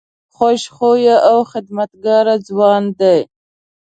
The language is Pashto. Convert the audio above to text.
خوش خویه او خدمتګار ځوان دی.